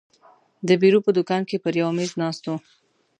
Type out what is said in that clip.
د بیرو په دوکان کې پر یوه مېز ناست وو.